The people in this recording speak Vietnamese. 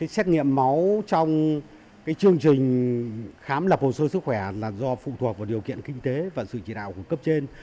xét nghiệm máu trong chương trình khám lập hồ sơ sức khỏe là do phụ thuộc vào điều kiện kinh tế và sự chỉ đạo của cấp trên